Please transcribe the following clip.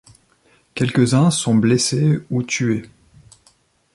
Quelques-uns sont blessés ou tués.